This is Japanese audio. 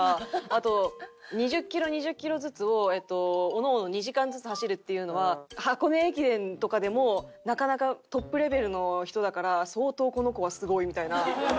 あと「２０キロ２０キロずつをおのおの２時間ずつ走るっていうのは箱根駅伝とかでもなかなかトップレベルの人だから相当この子はすごい」みたいな。